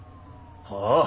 ああ